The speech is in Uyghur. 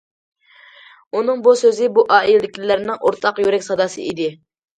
ئۇنىڭ بۇ سۆزى بۇ ئائىلىدىكىلەرنىڭ ئورتاق يۈرەك ساداسى ئىدى.